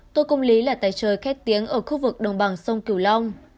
tô công lý là tay chơi khét tiếng ở khu vực đồng bằng sông cửu long